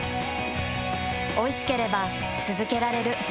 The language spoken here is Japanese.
おいしければつづけられる。